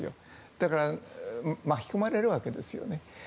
だから巻き込まれるわけですよね。